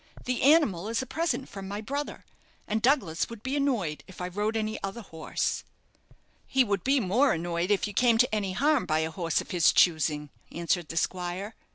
The animal is a present from my brother, and Douglas would be annoyed if I rode any other horse." "He would be more annoyed if you came to any harm by a horse of his choosing," answered the squire.